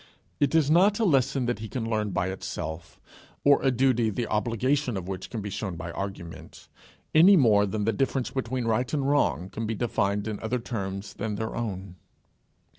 It is not a lesson that he can learn by itself, or a duty the obligation of which can be shown by argument, any more than the difference between right and wrong can be defined in other terms than their own.